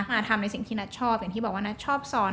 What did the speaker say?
มาทำในสิ่งที่นัทชอบอย่างที่บอกว่านัทชอบซ้อน